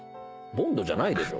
ボンドじゃないでしょ。